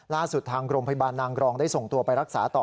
ทางโรงพยาบาลนางรองได้ส่งตัวไปรักษาต่อ